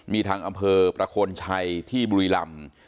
มีทางอำเภอประโคนชัยที่บุรีรำ